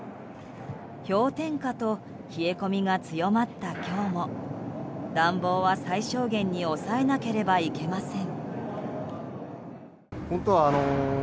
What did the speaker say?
氷点下と冷え込みが強まった今日も暖房は最小限に抑えなければいけません。